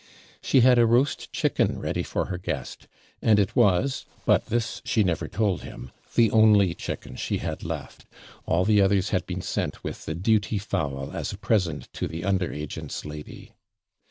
She had a roast chicken ready for her guest, and it was but this she never told him the only chicken she had left; all the others had been sent with the DUTY FOWL as a present to the under agent's lady.